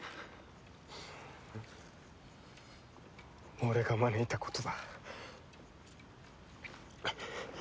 俺が招いたことだ。